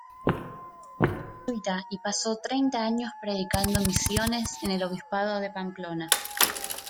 Era jesuita y pasó treinta años predicando misiones en el obispado de Pamplona.